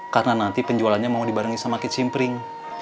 karena nanti penjualannya mau dibarengin sama kecimpring